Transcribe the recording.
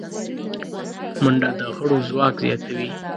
منډه د غړو ځواک زیاتوي